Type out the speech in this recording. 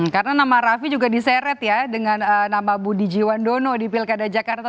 karena nama rafi juga diseret ya dengan nama budi jiwandono di pilkada jakarta